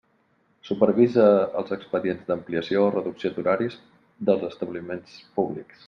Supervisa els expedients d'ampliació o reducció d'horaris dels establiments públics.